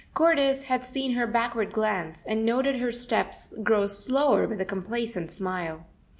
Cordis had seen her backward glance, and noted her steps grow slower with a complacent smile.